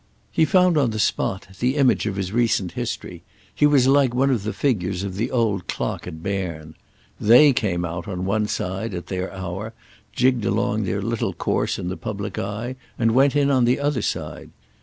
He found on the spot the image of his recent history; he was like one of the figures of the old clock at Berne. They came out, on one side, at their hour, jigged along their little course in the public eye, and went in on the other side.